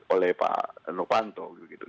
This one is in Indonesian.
oleh pak novanto